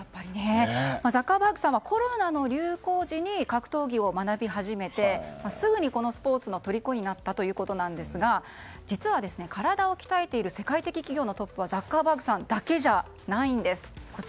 ザッカーバーグさんはコロナの流行時に格闘技を学び始めてすぐにこのスポーツのとりこになったということですが実は、体を鍛えている世界的企業のトップはザッカーバーグさんだけじゃないんです。